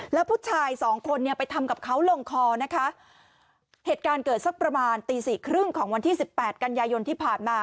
แล้วผู้ชายสองคนเนี่ยไปทำกับเขาลงคอนะคะเหตุการณ์เกิดสักประมาณตีสี่ครึ่งของวันที่สิบแปดกันยายนที่ผ่านมา